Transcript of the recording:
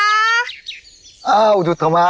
อ้าวอุทุธมะ